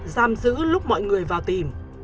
giam giữ lúc mọi người vào tìm